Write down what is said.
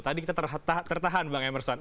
tadi kita tertahan bang emerson